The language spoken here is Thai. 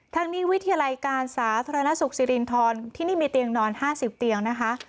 ทั้งนี้วิทยาลัยการสาธารณสุขสิรินทรที่นี่มีเตียงนอน๕๐เตียงนะคะ